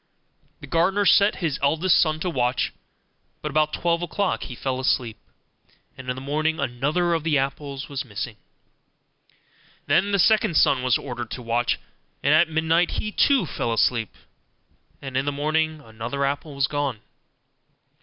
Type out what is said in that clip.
The gardener set his eldest son to watch; but about twelve o'clock he fell asleep, and in the morning another of the apples was missing. Then the second son was ordered to watch; and at midnight he too fell asleep, and in the morning another apple was gone.